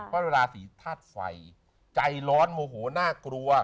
เพราะราศีธาตุไฟใจร้อนโมโหน่ากลัว